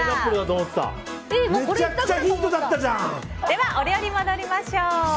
ではお料理、戻りましょう。